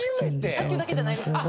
卓球だけじゃないです。